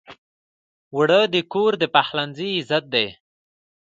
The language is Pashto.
اوړه د کور د پخلنځي عزت دی